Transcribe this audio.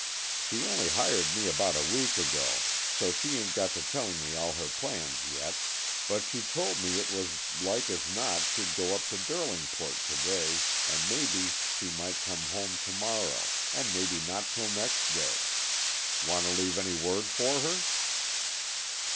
"She only hired me about a week ago, so she ain't got to telling me all her plans yet, but she told me it was as like as not she'd go up to Derlingport to day, and maybe she might come home to morrow, and maybe not till next day. Want to leave any word for her?"